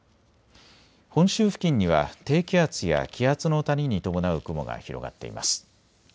本州付近には低気圧や気圧の谷に伴う雲が広がっています。